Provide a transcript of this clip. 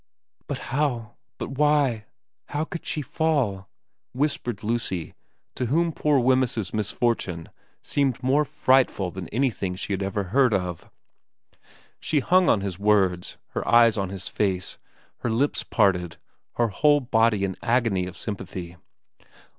' But how but why how could she fall ?' whispered Lucy, to whom poor Wemyss's misfortune seemed more frightful than anything she had ever heard of. She hung on his words, her eyes on his face, her lips parted, her whole body an agony of sympathy.